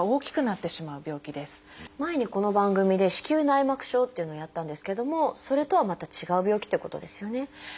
前にこの番組で「子宮内膜症」っていうのをやったんですけどもそれとはまた違う病気っていうことですよね。